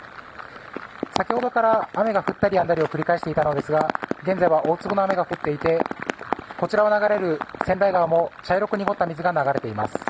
先ほどから雨が降ったりやんだりを繰り返していましたが現在は大粒の雨が降っていてこちらを流れる川内川にも茶色く濁った水が流れています。